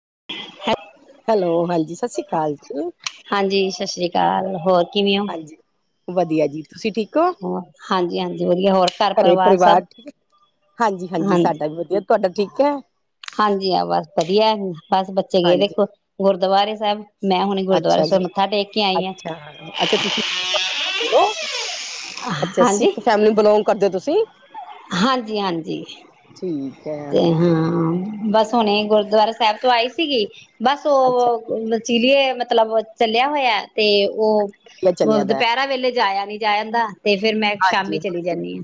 [inaudible] Hello ਹਾਂਜੀ ਸਤ ਸ੍ਰੀ ਅਕਾਲ ਜੀ ਚਾਲ ਹੋਰ ਕਿਵੇਂ ਓ ਹਾਂਜੀ ਵਧੀਆ ਜੀ ਤੁਸੀਂ ਠੀਕ ਹੋ ਹਾਂਜੀ-ਹਾਂਜੀ ਵਧੀਆ ਹੋਰ ਘਰ ਘਰੇ ਪਰਿਵਾਰ ਸਭ ਠੀਕ ਹਾਂਜੀ ਹਾਂਜੀ ਸਾਡਾ ਵੀ ਵਧੀਆ ਤੁਹਾਡਾ ਠੀਕ ਹੈ ਹਾਂਜੀ-ਹਾਂਜੀ ਹਾਂ ਬਸ ਵਧੀਆ ਬਸ ਬੱਚੇ ਗਏ ਹਾਂਜੀ ਦੇਖੋ ਗੁਰਦੁਆਰੇ ਸਭ ਮੈਂ ਹੁਣੀ ਗੁਰਦੁਆਰੇ ਅੱਛਾ ਜੀ ਸਰ ਮੱਥਾ ਟੇਕ ਕੇ ਆਈ ਆ। ਅੱਛਾ ਅੱਛਾ ਤੁਸੀਂ ਹੋ ਅੱਛਾ ਸਿੱਖ ਫੈਮਿਲੀ ਬਿਲੋਂਗ ਕਰਦੇ ਹੋ ਤੁਸੀਂ ਸੀ [unintelligible] ਹਾਂਜੀ- ਹਾਂਜੀ ਠੀਕ ਹੈ ਤੇ ਹਾਂ ਬਸ ਹਣੇ ਗੁਰਦੁਆਰਾ ਸਾਹਿਬ ਤੋਂ ਆਈ ਸੀਗੀ ਬਸ ਅੱਛਾ ਉਹ ਚੀਲੀਏ ਮਤਲਬ ਚੱਲਿਆ ਹੋਇਆ ਤੇ ਉਹ ਵਧੀਆ ਚਲਿਆ ਦਾ ਦੁਪਹਿਰਾ ਵੇਲੇ ਜਾਇਆ ਨੀ ਜਾ ਆਂਦਾ ਅਤੇ ਫਿਰ ਮੈਂ ਹਾਂਜੀ ਸ਼ਾਮੀ ਚਲੀ ਹਾਂਜੀ, ਜਾਂਣੀ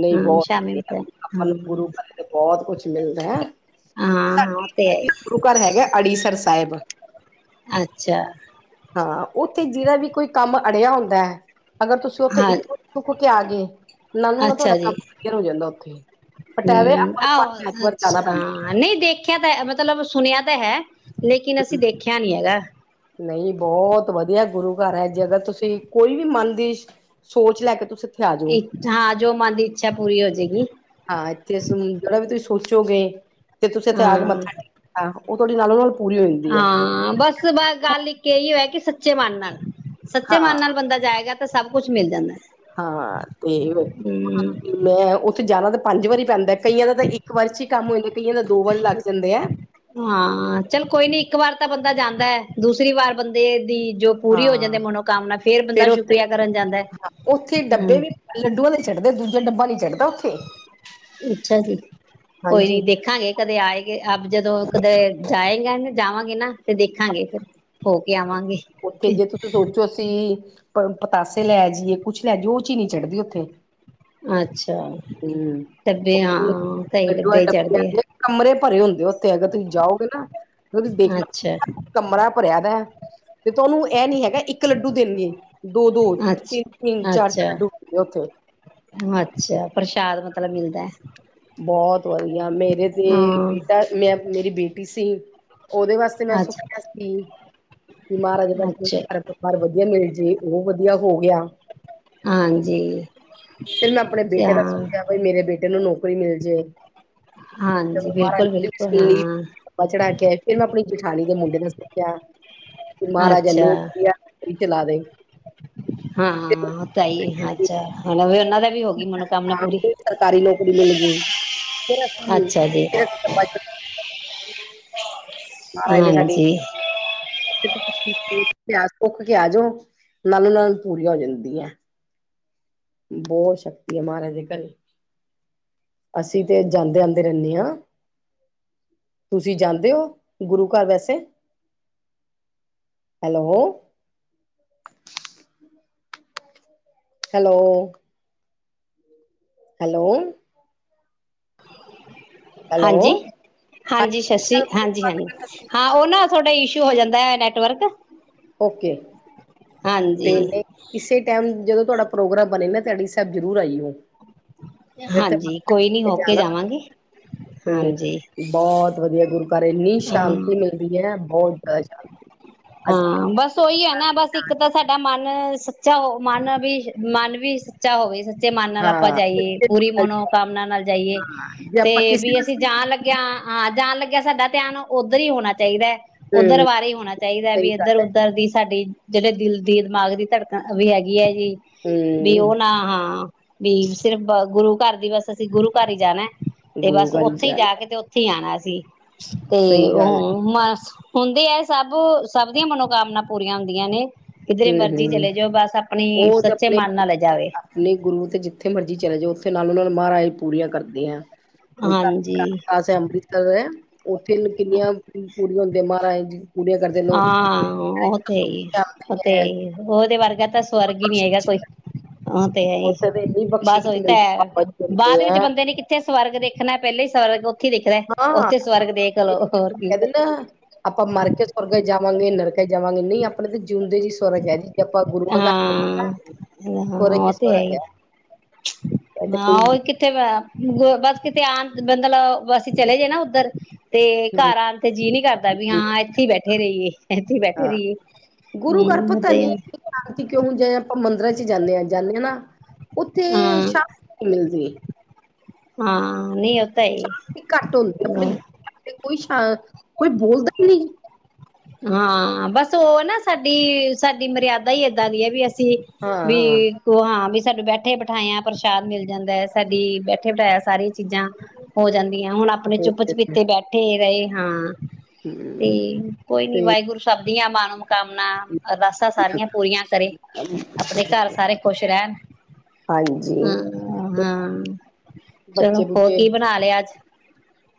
ਨਹੀਂ ਹਾਂ ਬਹੁਤ ਸ਼ਾਮੀ ਵਧੀਆ ਹਾਂ ਆਪਾਂ ਨੂੰ ਗੁਰੂ ਘਰ ਬਹੁਤ ਕੁਛ ਮਿਲਦਾ ਹੈ ਹਾਂ ਉਹ ਤੇ ਹੈ ਹੀ। ਸਾਡੇ ਗੁਰੂ ਘਰ ਹੈਗਾ ਅੜੀਸਰ ਸਾਹਿਬ ਅੱਛਾ ਹਾਂ ਉੱਥੇ ਜਿਹੜਦਾ ਵੀ ਕੋਈ ਕੰਮ ਅੜਿਆ ਹੁੰਦਾ ਹੈ ਅਗਰ ਤੁਸੀਂ ਉੱਥੇ ਹਾਂ ਇੱਕ ਕੇ ਆ ਗਏ ਨਾਲੋਂ ਨਾ ਤੁਹਾਡਾ ਅੱਛਾ ਜੀ ਕੰਮ ਕਲੀਅਰ ਹੋ ਜਾਂਦਾ ਉੱਥੇ ਬਟ ਐਵੇਂ ਹਮ ਆਪਾਂ ਨੂੰ ਆਹੋ ਪੰਜ ਐਤਵਾਰ ਅੱਛ ਜਾਣਾ ਪੈਂਦਾ ਨਹੀਂ ਦੇਖਿਆ ਤਾਂ ਮਤਲਬ ਸੁਣਿਆ ਹੈ ਲੇਕਿਨ ਅਸੀਂ ਦੇਖਿਆ ਨੀ ਹੈਗਾ ਨਹੀਂ ਬਹੁਤ ਵਧੀਆ ਗੁਰੂ ਜੇ ਅਗਰ ਤੁਸੀਂ ਕੋਈ ਵੀ ਮਨ ਦੀ ਸੋਚ ਲੈ ਕੇ ਤੁਸੀਂ ਆ ਜਾਓ ਹਾਂ ਜੋ ਮਨ ਦੀ ਇੱਛਾ ਪੂਰੀ ਹੋਜਏਗੀ ਹਾਂ ਇੱਥੇ ਸੁਣ ਤੁਸੀਂ ਸੋਚੋਗੇ ਤੇੇ ਤੁਸੀਂ ਇੱਥੇ ਆਕੇ ਹਾਂ ਮੱਥਾ ਟੇਕਣਾ ਉਹ ਤੁਹਾਡੀੇ ਨਾਲੋਂ ਨਾਲ ਪੂਰੀ ਹੋ ਜਾਂਦੀ ਹੈ ਹਾਂ ਬਸ ਬ ਗੱਲ ਇੱਕ ਇਹੋ ਇ ਕਿ [unintelligible] ਸੱਚੇ ਮਨ ਹਾਂ ਨਾਲ ਬੰਦਾ ਜਾਏਗਾ ਤਾਂ ਸਭ ਕੁਛ ਮਿਲ ਜਾਂਦਾ ਹਾਂ ਤੇ ਹਮ ਮੈਂ ਉੱਥੇ ਜਾਣਾ ਤੇ ਪੰਜ ਵਾਰੀ ਪੈਂਦਾ ਕਈਆਂ ਦਾ ਤਾਂ ਇੱਕ ਵਾਰ ਚ ਹੀ ਕੰਮ ਹੋ ਜਾਂਦਾ ਕਈਆਂ ਦਾ ਦੋ ਵਾਰ ਲੱਗ ਜਾਂਦੇ ਆ ਹਾਂ ਚੱਲ ਕੋਈ ਨੀ ਇੱਕ ਵਾਰ ਤਾਂ ਬੰਦਾ ਜਾਂਦਾ ਹੈ ਦੂਸਰੀ ਵਾਰ ਬੰਦੇ ਦੀ ਜੋ ਪੂਰੀ ਹੋ ਜਾਂਦੀ ਹਾਂ। ਮਨੋਕਾਮਨਾ ਫੇਰ ਬੰਦਾ ਸ਼ੁਕਰੀਆ ਕਰਨ ਜਾਂਦਾ ਹਾਂ ਉੱਥੇ ਡੱਬੇ ਹਮ ਵੀ ਲੱਡੂਆਂ ਦੇ [unintelligible] ਅੱਛਾ ਜੀ ਕੋਈ ਹਾਂਜੀ। ਨੀ ਦੇਖਾਂਗੇ ਕਦੇ ਆਏ ਗ ਅ ਜਦੋਂ ਕਦੇ ਜਾਏਗਾ ਜਾਵਾਂਗੇ ਨਾ ਤੇ ਦੇਖਾਂਗੇ ਫੇਰ ਹੋ ਕੇ ਆਵਾਂ ਉੱਥੇ ਜੇ ਤੁਸੀਂ ਸੋਚੋ ਅਸੀ ਪਤਾਸੇ ਲੈ ਜੀਏ ਕੁੱਛ ਲੈ ਜੀਏ ਉਹ ਚੀਜ਼ ਨਹੀਂ ਚੜਦੀ ਉੱਥੇ ਅੱਛਾ ਹੂੰ, ਡੱਬੇ ਹਾਂ ਤੇਈ ਐਡੋ ਡੱਬੇ ਐਡ ਹੀ ਚੜ੍ਹਦੇ ਆ ਆਂਦੇ, ਕਮਰੇ ਭਰੇ ਹੁੰਦੇ ਉੱਥੇ ਅਗਰ ਤੁਸੀਂ ਜਾਓਗੇ ਨਾ ਤੁਸੀਂ ਅੱਛਾ ਦੇਖਣਾ ਕਮਰਾ ਭਰਿਆ ਦਾ [inaudible] ਤੇ ਤੁਹਾਨੂੰ ਇਹ ਨੀ ਹੈਗਾ ਇੱਕ ਲੱਡੂ ਦੇਣਗੇ ਦੋ ਦੋ ਤਿੰਨ ਤਿੰਨ ਅੱਛਾ ਚਾਰ ਚਾਰ ਅੱਛਾ ਲੱਡੂ ਹੋਣਗੇ ਉੱਥੇ ਅੱਛਾ ਪ੍ਰਸ਼ਾਦ ਮਤਲਬ ਮਿਲਦਾ ਐ ਹੋਈ ਆ ਮੇਰੇ ਤੇ ਬੇਟਾ ਮੈਂ ਮੇਰੀ ਬੇਟੀ ਸੀ ਸਿੰਘ ਉਹਦੇ ਵਾਸਤੇ ਮੈਂ ਅੱਛਾ ਸੁੋਚਿਆ ਸੀ ਕਿ ਮਹਾਰਾਜਾ ਅੱਛਾ ਘਰ ਪਰਿਵਾਰ ਵਧੀਆ ਮਿਲ ਜੇ ਉਹ ਵਧੀਆ ਯਾ ਹੋ ਗਿਆ ਹਾਂਜੀ ਫਿਰ ਮੈਂ ਆਪਣੇ ਬੇਟੇ ਦਾ ਤੇ- ਸੁਖਿਆ ਬਈ ਮੇਰੇ ਬੇਟੇ ਨੂੰ ਨੋਕਰੀ ਮਿਲ ਜਾਏ। [inaudible] ਹਾਂਜੀ ਬਿਲਕੁਲ ਬਿਲਕੁਲ ਹਾਂ ਤੇ ਮਹਾਰਾਜਾ ਇਹ ਅੱਛਾ ਨੂੰ ਚਲਾ ਦੇ- ਹਾਂ ਉਹ ਤਾਂ ਹੀ ਅੱਛਾ ਹੁਣ ਵੀ ਉਹਨਾਂ ਦਾ ਵੀ ਹੋ ਗਈ ਮਨੋਕਾਮਨਾ ਹਾਂ ਪੂਰੀ ਸਰਕਾਰੀ ਨੌਕਰੀ ਮਿਲ ਗਈ ਕੀਰਤ ਨੂੰ ਅੱਛਾ ਜੀ ਹਾਂਜੀ- ਆਸਾ ਸੁਖ ਕੇ ਆ ਜਾਓ ਨਾਲੋਂ ਨਾਲ ਪੂਰੀਆਂ ਹੋ ਜਾਂਦੀਆਂ ਬਹੁਤ ਸ਼ਕਤੀ ਆ ਮਹਾਰਾਜ ਦੇ ਘਰੇ ਅਸੀਂ ਤੇ ਜਾਂਦੇ ਆਉਦੇ ਰਹਿੰਦੇ ਹਾਂ ਤੁਸੀਂ ਜਾਂਦੇ ਹੋ ਗੁਰੂ ਘਰ ਵੈਸੇ ਹੈਲੋ। ਹੈਲੋ- ਹੈਲੋ- ਹੈਲੋ ਹਾਂਜੀ- ਹਾਂਜੀ ਸਸ਼ੀ ਹਾਂਜੀ -ਹਾਂਜੀ ਹਾਂ ਉਹਨਾਂ ਤੁਹਾਡਾ ਇਸ਼ੂ ਹੋ ਜਾਂਦਾ ਹੈ। ਨੈਟਵਰਕ ਓਕੇ ਹਾਂਜੀ ਤੇ ਕਿਸੇ ਟਾਈਮ ਜਦੋਂ ਤੁਹਾਡਾ ਪ੍ਰੋਗਰਾਮ ਬਣੇ ਨਾ ਆੜੀਸਾਹਿਬ ਜ਼ਰੂਰ ਆਈਉ ਹਾਂਜੀ ਕੋਈ ਨੀ ਹੋ ਕੇ ਜਾਣਾ ਜਾਵਾਂਗੇ ਤੇ ਹਾਂਜੀ ਬਹੁਤ ਵਧੀਆ ਗੁਰੂ ਪਰ ਇੰਨੀ ਹਾਂ ਸ਼ਾਂਤੀ ਮਿਲਦੀ ਹੈ। ਬਹੁਤ ਬਹੁਤ ਸ਼ਾਂਤੀ ਅਸੀਂ ਹਾਂ ਬਸ ਉਹੀ ਹੈ। ਨਾ ਬਸ ਇੱਕ ਤਾਂ ਸਾਡਾ ਮਨ ਸੱਚਾ ਹੋ ਮਨ ਵੀ ਮਨ ਵੀ ਸੱਚਾ ਹੋਵੇ ਸ ਮਨ ਨਾਲ ਆਪਾਂ ਜਾਈਏ ਪੂਰੀ ਹਾਂ ਮਨੋਕਾਮਨਾ ਨਾਲ ਜਾਈਏ ਜੇ ਆਪਾਂ ਤੇ ਕਿਸੇ ਵੀ ਅਸੀ ਵਾਸਤੇ ਜਾਣ ਲੱਗਿਆ ਹਾਂ ਜਾਣ ਲੱਗੇ ਸਾਡਾ ਧਿਆਨ ਉੱਧਰ ਹੀ ਹੋਣਾ ਚਾਹੀਦਾ ਹੈ। ਉਧਰ ਹੂੰ ਬਾਰੇ ਹੀ ਹੋਣਾ ਚ' ਸਹੀ ਵੀ ਇੱਧਰ ਗੱਲ ਹੈ ਉੱਧਰ ਦੀ ਸਾਡੀ ਜਿਹੜੇ ਦਿਲ ਦੀ ਦਿਮਾਗ ਦੀ ਧੜਕਣ ਵੀ ਹੈਗੀ ਹੈ। ਵੀ ਉਹ ਹੂੰ ਨਾ ਹਾਂ ਵੀ ਸਿਰਫ ਗੁਰੂ ਘਰ ਦੀ ਬਸ ਅਸੀ ਗੁਰੂ ਘਰ ਹੀ ਜਾਣਾ ਤੇ ਗੁਰੂ ਬਸ ਘਰ ਉੱਥੇ ਹੀ ਜਾ ਜਾਣਾ ਕੇ ਤੇ ਉੱਥੇ ਹੀ ਆਉਣਾ ਸੀ ਤੇ ਸਹੀ ਗੱਲ ਉਹ ਮ ਹੁੰਦੀ ਹੈ। ਸਭ ਓ ਸਭ ਦੀ ਮਨੋ ਕਾਮਨਾ ਪੂਰੀਆਂ ਹੁੰਦੀਆਂ ਨੇ ਕਿਧਰੇ ਹਮ ਮਰਜ਼ੀ ਹਮ ਚਲੇ ਜਾਓ ਬਸ ਆਪਣੀ ਉਹ ਤੇ ਸੱਚੇ ਆਪਣੇ ਮਨ ਨਾਲ ਲੈ ਜਾਵੇ ਆਪਣੇ ਗੁਰੂ ਤੇ ਜਿੱਥੇ ਮਰਜ਼ੀ ਚਲੇ ਜਾ ਉੱਥੇ ਨਾਲ ਉਹਨਾਂ ਨੂੰ ਮਹਾਰਾਜ ਪੂਰੀਆਂ ਕਰਦੇ ਆ। ਹੁਣ ਤੱਕ ਹਾਂਜੀ। ਪਾਸ ਹੈ ਅੰਮ੍ਰਿਤਸਰ ਹੈ ਉੱਥੇ ਕਿੰਨੀਆਂ ਪੂਰੀਆ ਹੁੰਦੀਆਂ। ਬਿਮਾਰ ਆਏ ਜੀ ਪੂਰੀਆਂ ਕਰਦੇ ਲੋਕ ਹਾਂ ਉਹ ਤੇ ਹੈ ਹੀ ਜਾਂਦੀ ਤੇ ਹੈ ਉਹਦੇ ਵਰਗਾ ਤਾਂ ਸਵਰਗ ਹੀ ਨੀ ਹੈਗਾ ਬਖਸ਼ੀਸ਼ ਕੋਈ ਉਹ ਹੈ ਜੀ ਉੱਥੇ ਤੇ ਇੰਨੀ ਬਸ ਬਖਸ਼ੀਸ਼ ਉਹੀ ਤਾਂ ਮਿਲਦੀ ਹੈ ਬਾਬਾ ਜੀ ਮਿਲਦੇ ਬਾਅਦ ਵਿੱਚ ਹੈ ਬੰਦੇ ਨੇ ਕਿੱਥੇ ਸਵਰਗ ਦੇ ਖਣਾ ਪਹਿਲੇ ਹੀ ਸ ਥ ਦਿਖਦਾਹਾ ਹਾਂ ਉੱਥੇ ਸਵਰਗ ਦੇਖ ਲਓ ਹੋਰ ਕੀ ਕਹਿੰਦੇ ਨਾ ਆਪਾਂ ਮਰ ਕੇ ਸਵਰਗ ਜਾਵਾਂਗੇ ਨਰਕੇ ਜਾਵਾਂਗੇ ਨਹੀਂ ਆਪਣੇ ਤੇ ਜਿਉਂਦੇ ਜੀ ਸਵਰਗ ਹੈ ਜੀ ਜੇ ਆਪਾਂ ਗੁਰੂਆਂ ਘਰ ਚੱਲੇ ਹਾਂ ਨਾ ਹਾਂ ਉਹ ਤੇ ਹੈ ਹੀ ਇਹ ਤੇ ਹ ਕੋਈ ਉਹੀ ਕਿਥੇ ਬਸ ਕਿਤੇ ਆ ਬਲ ਬਸੀ ਚਲੇ ਜਾਣਾ ਉੱਧਰ ਤੇ ਹੂੰ ਘਰ ਆਉਣ ਤੇ ਜੀਅ ਨੀ ਕਰਦਾ ਵੀ ਜੀ ਹਾਂ ਇੱਥੇ ਹੀ ਬੈਠੇ ਰਹੀਏ ਇੱਥੇ ਬੈਠੇ ਹਾਂ ਰਹੀਏ ਗੁਰੂ ਘਰ ਹਮ ਪਤਾ ਤੇ ਨੀ ਸ਼ਾਂਤੀ ਕਿਉਂ ਜ ਆਪਾਂ ਮੰਦਰਾਂ ਜਾਂਦੇ ਹਾਂ ਜਾਂਦੇ ਹਾਂ ਨਾ ਉੱਥੇ ਹਾਂ ਸ਼ਾਂਤੀ ਮਿਲਦੀ ਹਾਂ ਨਹੀ ਹੋ ਤਾਂ ਹੈ ਈ ਸ਼ਾਂਤੀ ਘੱਟ ਹੁੰਦੀ ਆਪਣੇ ਹਮ ਗੁਰੂ ਘਰ ਤੇ ਕੋਈ ਸ਼ ਕੋਈ ਬੋਲਦਾ ਹੀ ਨਹੀਂ ਹਾਂ ਬਸ ਉਹ ਨਾ ਸਾਡੀ ਸਾਡੀ ਮਰਿਆਦਾ ਹੀ ਏਦਾਂ ਦੀ ਹੈ ਵੀ ਹਾਂ ਵੀ ਹਾਂ ਉਹ ਹਾਂ ਵੀ ਸਾਨੂੰ ਬੈਠੇ ਬਿਠਾਇਆ ਪ੍ਰਸ਼ਾਦ ਮਿਲ ਜਾਂਦਾ ਹੈ ਸਾਡੀ ਬੈਠੇ ਬਿਠਾਇਆ ਸਾਰੀਆਂ ਚੀਜ਼ਾਂ ਹੋ ਜਾਂਦੀ। ਹੁਣ ਆਪਣੇ ਹੂੰ ਚੁੱਪ ਚੁਪੀਤੇ ਬੈਠੇ ਰਹੇ। ਹਾਂ ਤੇ ਕੋਈ ਨੀ ਤੇ ਵਾਹਿਗੁਰੂ ਸਬ ਮਾਂ ਨੂੰ ਕਾਮਨਾ ਅਰਦਾਸਾਂ ਸਾਰੀਆਂ ਪੂਰੀਆਂ ਕਰੇ ਆਪਣੇ ਘਰ ਸਾਰੇ ਖੁਸ਼ ਰਹਿਣ ਹਾਂਜੀ। ਹਮ ਹਮ ਹਮ ਬੱਚੇ ਬੁੱਚੇ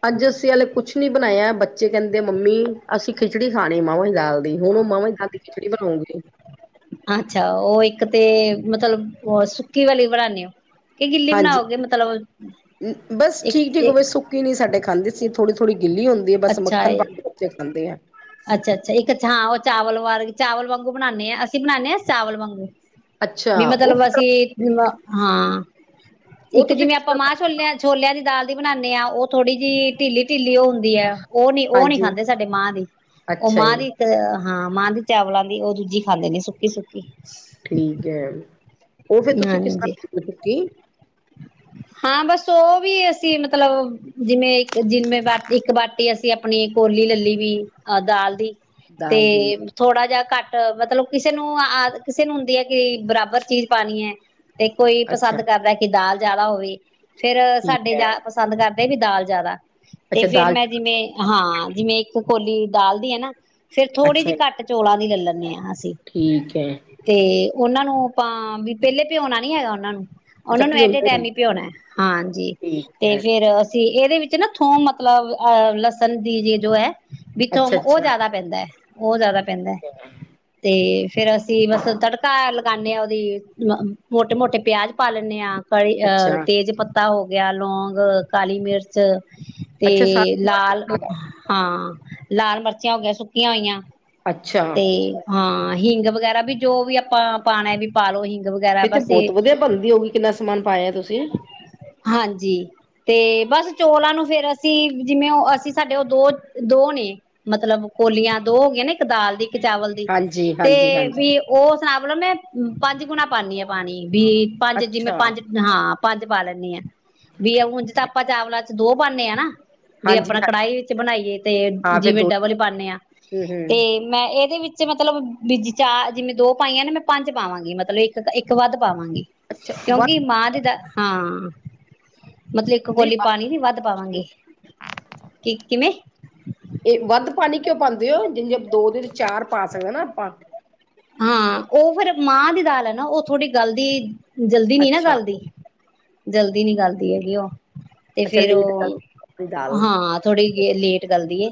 ਅੱਜ ਅੱਸੀ ਵਾਲੇ ਕੁਛ ਕੁਛ ਨੀ ਬਣਾਇਆ ਬੱਚੇ ਕਹਿੰਦੇ ਮੰਮੀ ਅਸੀਂ ਖਿਚੜੀ ਖਾਣੀ ਮਾਵਾਂ ਦੀ ਦਾਲ ਦੀ ਹੁਣ ਉਹ ਮਾਵਾਂ ਦੀ ਦਾਲ ਦੀ ਖਿਚੜੀ ਬਣਾਉਂਗੀ ਅੱਛਾ ਉਹ ਇੱਕ ਤੇ ਮਤਲਬ ਸੁੱਕੀ ਵਾਲੀ ਬਣਾਦੇ ਹੋ ਹਾਂਜੀ ਬਸ ਠੀਕ ਠੀਕ ਇੱਕ-ਇੱਕ ਹੋਵੇ ਸੁੱਕੀ ਨਹੀਂੀ ਸਾਡੇ ਖਾਂਦੇ ਸੀ ਥੋੜ੍ਹੀ ਥੋੜ੍ਹੀ ਗਿੱਲੀ ਹੁੰਦੀ ਹੈ ਬਸ ਮੱਖਣ ਪਾ ਕੇ ਬੱਚੇ ਖਾਂਦੇ ਆ ਅੱਛਾ ਅੱਛਾ ਇੱਕ ਚ ਹਾਂ ਚਾਵਲ ਵਾਰ ਚਾਵਲ ਵਾਂਗੂ ਬਣਾਉਨਦੇ ਹਾਂ ਅਸੀਂ ਬਣਾਂਦੇ ਹਾਂ ਚਾਵਲ ਵਾਂਗੂ ਅੱਛਾ ਵੀ ਉਹ ਮਤਲਬ ਅਸੀਂ ਹਾਂ ਉਹ ਇੱਕ ਤੁਸੀਂ ਜਿਵੇਂ ਕਿਸ ਆਪਾਂ ਤਰ੍ਹਾਂ ਮਾਂ ਛੋਲਿਆਂ ਛੋਲਿਆਂ ਦੀ ਦਾਲ ਬਣਾਉਂਦੇ ਹਾਂ ਉਹ ਥੋੜੀ ਜਿਹੀ ਢਿੱਲੀ ਢਿੱਲੀ ਉਹ ਹੁੰਦੀ ਹੈ ਉਹ ਨੀ ਉਹ ਨੀ ਹਾਂਜੀ ਖਾਂਦੇ ਸਾਡੇ ਮਾਂ ਦੀ ਉਹ ਅੱਛਾ ਮਾਂ ਜੀ ਦੀ ਤੇ ਹਾਂ ਮਾਂ ਦੀ ਚਾਵਲਾਂ ਦੀ ਉਹ ਦੂਜੀ ਖਾਂਦੇ ਨੇ ਸੁੱਕੀ ਸੁੱਕੀ ਠੀਕ ਹੈ ਉਹ ਫਿਰ ਤੁਸੀਂ ਕਿਸ ਹਾਂਜੀ ਤਰ੍ਹਾਂ ਹੋ ਚੁੱਕੀ ਹਾਂ ਬਸ ਉਹ ਵੀ ਅਸੀਂ ਮਤਲਬ ਜਿਵੇਂ ਇੱਕ ਜਿਵੇਂ ਬਾ ਇੱਕ ਬਾਟੀ ਅਸੀਂ ਆਪਣੀ ਕੋਲੀ ਲਲਈ ਵੀ ਅਹ ਦਾਲ ਦੀ ਤੇ ਦਾਲ ਦੀ ਥੋੜਾ ਜਿਹਾ ਘੱਟ ਮਤਲਬ ਕਿਸੇ ਨੂੰ ਆ ਕਿਸੇ ਨੂੰ ਹੁੰਦੀ ਹੈ ਕਿ ਬਰਾਬਰ ਚੀਜ਼ ਪਾਣੀ ਹੈ ਤੇ ਕੋਈ ਅੱਛਾ ਪਸੰਦ ਕਰਦਾ ਕਿ ਦਾਲ ਜ਼ਿਆਦਾ ਹੋਵੇ ਫੇਰ ਠੀਕ ਸਾਡੇ ਹੈ ਜਾਦਾ ਪਸੰਦ ਕਰਦੇ ਏਵੀ ਦਾਲ ਜਿਆਦਾ ਤੇ ਅੱਛਾ ਫੇਰ ਦਾਲ ਮੈਂ ਜਿਵੇਂ ਹਾਂ ਜਿਵੇਂ ਤੇ ਕੋਲੀ ਦਾਲ ਦੀ ਹੈ ਨਾ ਫੇਰ ਥੋੜੀ ਅੱਛਾ ਜਿਹੀ ਜੀ, ਘੱਟ ਚੋਲਾਂ ਦੀ ਲ ਲੈਣੀ ਮਿਆ ਸੀ ਠੀਕ ਹੈ ਤੇ ਉਹਨਾਂ ਨੂੰ ਆਪਾਂ ਵੀ ਪਹਿਲੇ ਭਿਉਣਾ ਨੀ ਹੈਗਾ ਉਹਨਾਂ ਨੂੰ ਅੱਛਾ ਉਹਨਾਂ ਨੂੰ ਐਟ ਏ ਭਿਉਂਦੇ ਨੀ ਟਾਈਮ ਹੀ ਭਿਉਣਾ ਹਾਂਜੀ ਠੀਕ ਤੇ ਹੈ ਫੇਰ ਅਸੀਂ ਇਹਦੇ ਵਿੱਚ ਨਾ ਥੋਂਮ ਮਤਲਬ ਅਹ ਲੱਸਣ ਦੀ ਜੇ ਜੋ ਹੈ ਵਿੱਚ ਅੱਛਾ ਉਹ ਅੱਛਾ ਜ਼ਿਆਦਾ ਪੈਂਦਾ ਹੈ ਉਹ ਜ਼ਿਆਦਾ ਪੈਂਦਾ ਤੇ ਫੇਰ ਅਸੀਂ ਮਤਲਬ ਤੜਕਾ ਲਗਾਉਂਦੇ ਹਾਂ ਉਹਦੀ ਮੋਟੇ ਮੋਟੇ ਪਿਆਜ ਪਾ ਲੈਂਦੇ ਹਾਂ ਕ ਅ ਅੱਛਾ। ਤੇਜਪਤ ਪੱਤਾ ਹੋ ਗਿਆ ਲੌਗ ਕਾਲੀ ਮਿਰਚ ਤੇ ਅੱਛਾ ਲਾਲ ਸਾਰਾ ਹਾਂ ਲਾਲ ਮਿਰਚਾਂ ਹੋ ਗ ਸੁੱਕੀਆਂ ਹੋਈਆਂ ਅੱਛਾ ਤੇ ਹਾਂ ਹਿੰਗ ਵਗੈਰਾ ਵੀ ਜੋ ਵੀ ਆਪਾਂ ਪਾਉਣਾ ਵੀ ਪਾਲੋ ਹਿੰਗ ਵਗੈਰਾ ਫਿਰ ਤੇ ਬਸ ਬਹੁਤ ਵਧੀਆ ਇਹ ਬਣਦੀ ਹੋਊਗੀ ਕਿੰਨਾ ਸਮਾਨ ਪਾਇਆ ਤੁਸੀਂ ਹਾਂਜੀ ਤੇ ਬਸ ਚੋਲਾਂ ਨੂੰ ਫੇਿਰ ਅਸੀਂ ਜਿਵੇਂ ਉਹ ਅਸੀਂ ਸਾਡੇ ਉਹ ਦੋ ਦੋ ਨੇ ਮਤਲਬ ਕੋਲੀਆਂ ਦੋ ਹੋ ਗਆਂ ਨੇ ਇੱਕ ਦਾਲ ਦੀ ਚਾਵਲ ਦੀ ਹਾਂਜੀ ਤੇ ਹਾਂਜੀ ਹਾਂਜੀ ਵੀ ਉਹ ਸੁਣਾ ਪੰਜ ਗੁਣਾ ਪਾਉਂਦੀ ਆ ਪਾਣੀ ਵੀ ਪੰਜ ਜਿਵੇਂ ਅੱਛਾ ਪੰਜ ਹਾਂ ਪੰਜ ਪਾ ਲੈਂਨੀ ਆ ਵੀ ਹ ਜ ਤਾਂ ਆਪਾਂ ਚਾਵਲਾ ਦੋ ਪਾਉਨੇ ਆ ਨਾਂ ਵੀ ਹਾਂਜੀ ਆਪਣਾ ਹਾਂ ਕੜਾਹੀ ਵਿੱਚ ਬਣਾਈਏ ਤੇ ਹਾਂ ਫਿਰ ਜਿਵੇਂ ਦੋ ਡਬਲ ਪਾਦੇ ਹਾਂ ਹੂੰ ਹੂੰ ਤੇ ਮੈਂ ਇਹਦੇ ਵਿੱਚ ਮਤਲਬ ਬੀਜੀ ਚਾਰ ਜਿਵੇਂ ਦੋ ਪਾਈਆਂ ਨੇ ਮੈਂ ਪੰਜ ਪਾਵਾਂਗੀ ਮਤਲਬ ਤਾਂ ਇੱਕ ਵੱਧ ਪਾਵਾਂਗੇ ਅੱਛਾ ਵੱਧ ਕਿਉਂਕਿ ਮਾਂ ਦੇ ਦਾ ਹਾਂ ਮਤਲਬ ਇੱਕ ਨਹੀਂ ਕੋਲੀ ਪਾਣੀ ਵੀ ਵੱਧ ਪਾਵਾਂਗੇ ਕਿ ਕਿਵੇਂ ਇਹ ਵੱਧ ਪਾਣੀ ਕਿਉਂ ਪਾਉਂਦੇ ਹੋ ਜਿੀਆਂ ਦੋ ਦਿਨ ਚਾਰ ਪਾ ਸਕਦੇ ਨਾ ਹ ਹਾਂ ਉਹ ਫੇਿਰ ਮਾਂ ਦੀ ਦਾਲ ਆ ਨਾ ਉਹ ਥੋੜ੍ਹੀ ਗਲਦੀ ਜਲਦੀ ਨੀ ਨਾ ਅੱਛਾ ਗੱਲਦੀ ਜਲਦੀ ਨੀ ਗੱਲਦੀ ਹੈਗੀ ਉਹ ਤੇ ਅੱਛਾ ਫੇਿਰ ਲੇਟ ਉਹ ਦੀ ਦਾਲ ਹਾਂ ਥੋੜੀ ਲੇਟ ਕਰੱਲਦੀ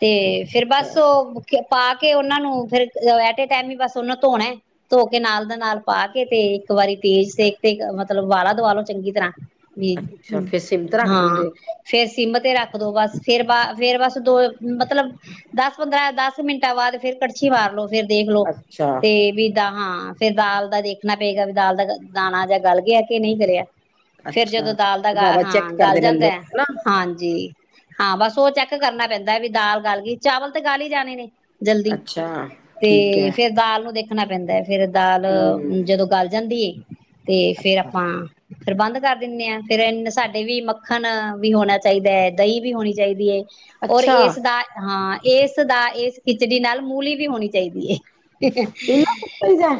ਤੇ ਫੇਰ ਬੱਸ ਹੈ ਉਹ ਮੁ ਪਾ ਕੇ ਉਹਨਾਂ ਨੂੰ ਫਿਰ ਐਟੇ ਟਾਈਮੀ ਬਸ ਉਹਨੂੰ ਧੋਣਾ ਧੋ ਕੇ ਨਾਲ ਦਾ ਨਾਲ ਪਾ ਕੇ ਤੇ ਇੱਕ ਵਾਰੀ ਤੇਜ਼ ਸੇਕ ਤੇ ਮਤਲਬ ਉਬਾਲਾ ਦਵਾ ਲੋ ਚੰਗੀ ਤਰ੍ਹਾਂ ਅੱਛਾ ਫਿਰ ਸਿਮ ਤੇ ਰੱਖ ਹਾਂ ਦਿੰਦੇ ਫੇਰ ਸਿੰਮ ਤੇ ਰੱਖ ਦੋ ਬਸ ਫੇਰ ਬਾ ਫੇਰ ਬਸ ਦੋ ਮਤਲਬ ਦਸ ਪੰਦਰਾਂ ਦਸ ਮਿੰਟਾਂ ਬਾਦ ਫੇਰ ਕੜਛੀ ਮਾਰਲੋ ਫੇਰ। ਦੇਖਲੋ ਅੱਛਾ ਤੇ ਵੀਦਾਂ ਹਾਂ। ਫੇਰ ਦਾਲ ਦਾ ਦੇਖਣਾ ਪਏਗਾ ਵੀ ਦਾਲ ਦਾ ਦਾਣਾ ਜਾਂ ਗਲ ਗਿਆ ਕਿ ਨਹੀਂ ਗਲਿਆ। ਫੇਰ ਅੱਛਾ ਜਦੋਂ ਦਾਲ ਦਾ ਗਾ ਬਾਬਾ ਚੈੱਕ ਹਾਂ ਗਲ ਕਰਦੇ ਰਹਿੰਦੇ ਜਾਂਦੈ ਹੋ ਨਾ ਹਾਂਜੀ। ਹਾਂ, ਬਸ ਔ ਚੈੱਕ ਕਰਨਾ ਪੈਂਦਾ ਵੀ ਦਾਲ ਗਾਲ ਗੀ ਚਾਵਲ ਤੇ ਗਾਲ ਈ ਜਾਣੇ ਨੇ। ਜਲਦੀ ਅੱਛਾ। ਠੀਕ ਤੇ ਹੈ ਫੇਰ ਦਾਲ ਨੋ ਦੇਖਣਾ ਪੈਂਦੈ। ਫੇਰ ਦਾਲ ਹੂੰ ਜਦੋਂ ਗਲ ਜਾਂਦੀ ਏ। ਤੇ ਫੇਰ ਅੱਛਾ ਅਪਾਂ ਫੇਰ ਬੰਦ ਕਰ ਦਿੰਣੇ ਆਂ, ਫੇਰ ਏਨ ਸਾਡੇ ਵੀ ਮੱਖਣ ਵੀ ਹੋਣਾ ਚਾਹੀਦੈ, ਦਹੀਂ ਵੀ ਹੋਣੀ ਚਾਈਦੀ ਏ। ਔਰ ਅੱਛਾ ਏਸਦਾ ਹਾਂ। ਏਸ ਦਾ ਏਸ ਖਿਚੜੀ ਨਾਲ ਮੂਲੀ ਵੀ ਹੋਣੀ ਚਾਈਦੀ ਏ। ਏਨੁ ਕੁਟੀ ਜਾ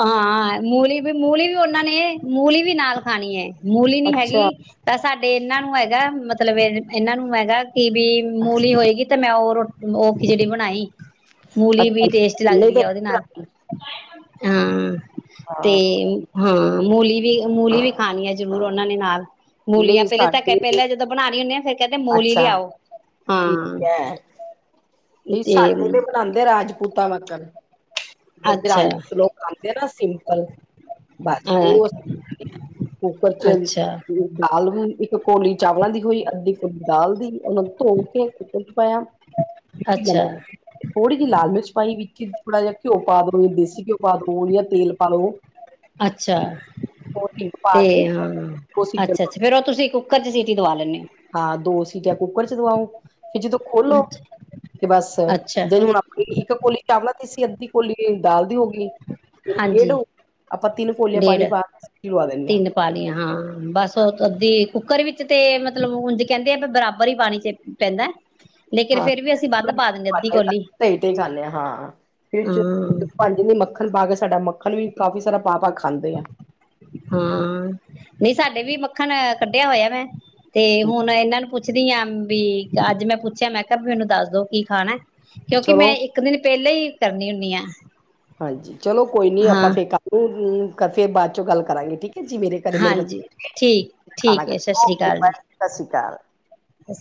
ਹਾਂਆ ਮੂਲੀ ਵੀ ਮੂਲੀ ਵੀ ਔਨਾਂ ਨੇ ਮੂਲੀ ਵੀ ਨਾਲ ਖਾਣੀ ਏ। ਮੂਲੀ ਨੀ ਅੱਛਾ ਹੈਗੀ ਤਾਂ ਸਾਡੇ ਇਨਾਂ ਨੂੰ ਹੈਗੈ ਮਤਲਬ ਇਨਾਂ ਨੂੰ ਹੈਗੈ। ਕੀ ਵੀ ਮੂਲੀ ਹੋਏਗੀ ਤੇ ਮੈਂ ਔ ਰੋਟੀ ਮੋਗ ਖਿਚੜੀ ਬਣਾਈ। ਮੂਲੀ ਅੱਛਾ ਵੀ ਟੇਸਟੀ ਲੱਗਦੀ ਆ ਔਦੇ ਨਾਲ। ਹਾਂ। ਤੇ ਨਹੀਂ ਹਾਂ, ਮੂਲੀ ਵੀ ਮੂਲੀ ਵੀ ਖਾਣੀ ਹੈ ਜ਼ਰੂਰ ਔਨਾਂ ਨੇ ਨਾਲ। ਮੂਲੀਆਂ ਨਹੀਂ ਪੈਲੇ ਤੱਕ ਸਾਡੇ ਪੈਲਾਂ ਜਦੋਂ ਬਣਾਣੀ ਹੁਣੇ ਕੈੰਦੇ ਮੂਲੀ ਅੱਛਾ ਲਿਆਓ। ਠੀਕ ਹੈ। ਵੀ ਸਾਡੇ ਤੇ ਬਣਾਂਦ ਦੇ ਰਾਜਪੂਤਾ ਵਾਕਣ। ਬੰਦੇ ਅੱਛਾ ਆੰਹੇ ਲੋਕ ਖਾਂਦੇ ਏਨਾ ਸਿੰਪਲ ਬਸ ਅ ਓਸ [unintelligible] ਕੁੱਕਰ ਚ ਅੱਛਾ ਵੀ ਦਾਲ ਵੀ ਇੱਕ ਕੋਲੀ ਚਾਵਲਾਂ ਦੀ ਹੋਈ ਅੱਧੀ ਫੁੱਲ ਦਾਲ ਦੀ। ਔਨੂੰ ਧੋ ਕੇ ਕੁੱਕਰ ਚ ਪਾਯਾ, ਅੱਛਾ ਨਮਕ ਥੋੜ੍ਹੀ ਜੀ ਲਾਲ ਮਿਰਚ ਪਾਈ ਵਿੱਚ। ਥੋੜਾ ਜਾ। ਘਿਓ ਪਾ ਦੋ, ਦੇਸੀ ਘਿਓ ਪਾ ਦੋ ਜਾਂ ਤੇਲ ਪਾ ਲੋ? ਅੱਛਾ ਪਾ ਤੇ ਕੇ ਹਾਂ ਦੋ ਸੀਟੀਆਂ ਅੱਛਾ ਅੱਛਾ ਫੇਰ ਉਹ ਤੁਸੀਂ ਕੁੱਕਰ ਚ? ਸੀਟ ਦਵਾ ਲੈਣੇ ਹੋ? ਹਾਂ ਦੋ ਸੀਟੀ? ਠੀਕ ਹੈ ਕੁੱਕਰ ਚ ਦਵਾਉ? ਤੇ ਜਦੋਂ ਹੋ ਖੋਲੋ ਤੇ ਬਸ ਅੱਛਾ ਜਦ ਹੁਣ ਆਪਣੀ ਇੱਕ ਕੋਲੀ ਚਾਵਲਾ ਦੀ ਸੀ? ਤੇ ਅੱਧੀ ਕੋਲੀ ਦਾਲ ਦੀ ਹੋ ਗਈ? ਮੇਰੀ ਡੇਢ ਹਾਂਜੀ ਹੋ ਗਈ ਆਪਾਂ ਤਿੰਨ ਕੋਲੀਆਂ ਡੇਢ ਪਾਣੀ ਪਾ ਕੇ ਸੀਟੀ ਲਵਾ ਦਿੰਦੇ ਹਾਂ। ਤਿੰਨ ਪਾਲੀਆਂ ਹਾਂ ਬਸ ਉਹ ਅੱਧੀ। ਕੁੱਕਰ ਵਿੱਚ ਤੇ ਮਤਲਬ ਉਂਝ ਕਹਿੰਦੇ ਆ ਵੀ ਬਰਾਬਰ ਹੀ ਪਾਣੀ ਚ ਪੈਂਦਾ ਹੈ? ਹਾਂ ਤੇ ਕੋਲੀ ਢਾਈ ਢਾਈ ਖਾਂਦੇ ਹਾਂ ਫੇਰ ਹੂੰ ਜਦੋਂ। ਮੱਖਣ ਪਾ ਕੇ ਸਾਡਾ ਮੱਖਣ ਵੀ ਕਾਫੀ ਸਾਰਾ ਪਾ ਪਾ? ਖਾਂਦੇ ਆ ਹੂੰ ਨਹੀਂ ਸਾਡੇ ਵੀ। ਮੱਖਣ ਕੱਢਿਆ ਹੋਇਆ ਮੈਂ? ਤੇ ਹੁਣ ਇਹਨਾਂ ਨੂੰ ਪੁੱਛਦੀ ਹਾਂ? ਵੀ ਅੱਜ ਮੈਂ ਪੁੱਛਿਆ ਮੈਂ ਕਿਹਾ ਵੀ ਮੈਨੂੰ ਦੱਸ ਦੋ ਕੀ ਖਾਣਾ ਹੈ? ਕਿਉਂਕਿ ਚਲੋ ਮੈਂ ਇੱਕ ਦਿਨ ਪਹਿਲਾਂ ਹੀ? ਕਰਨੀ ਹੁੰਨੀ ਆ। ਹਾਂਜੀ ਚਲੋ ਕੋਈ ਨੀ ਆਪਾਂ ਫਿਰ ਹੂੰ ਹੂੰ। ਕਦੇ ਬਾਅਦ ਚੋਂ ਗੱਲ ਕਰਾਂਗੇ ਠੀਕ। ਕਿ ਜਿਵੇਂ ਦੇ ਮੇਰੇ ਘਰੇ ਹਾਂਜੀ ਬੱਚੇ ਠੀਕ ਖਾਣਾ ਠੀਕ ਗਾ ਹੈ ਏ ਭੈਣ ਜੀ ਸਤਿ ਸ੍ਰੀ ਅਕਾਲ। ਬਸ।